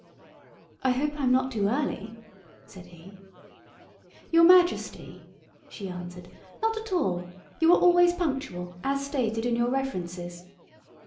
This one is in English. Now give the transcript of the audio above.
"I hope I'm not too early," said he. "Your Majesty," she answered, "not at all. You are always punctual, as stated in your references.